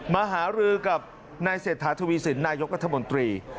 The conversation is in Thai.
มาหารือกับนายเศรษฐาทวีสินนายกรัฐมนตรี